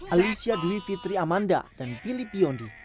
alisia dwi fitri amanda dan pilih biondi